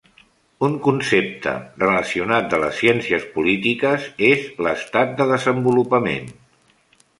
Un concepte relacionat de les ciències polítiques és l'estat de desenvolupament.